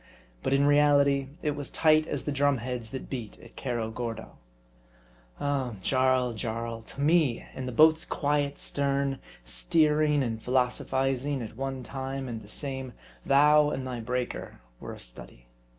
But in reality it was tight as the drum heads that beat at Cerro Gordo. Oh! Jarl, Jarl: to me in the boat's quiet stern, steering and philosophizing at one time and the same, thou and thy breaker were a study.